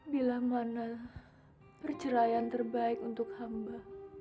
bila mana perceraian terbaik untuk hamba